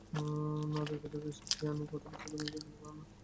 না, দেখাই যাক, সে এসব জ্ঞানী কথাবার্তা তেমন পছন্দ করতো না।